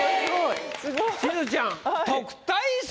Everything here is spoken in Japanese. しずちゃん特待生！